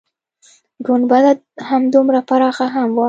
گنبده همدومره پراخه هم وه.